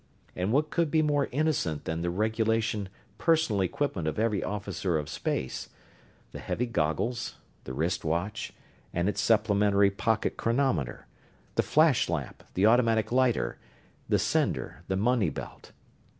And what could be more innocent than the regulation, personal equipment of every officer of space? The heavy goggles, the wrist watch and its supplementary pocket chronometer, the flash lamp, the automatic lighter, the sender, the money belt?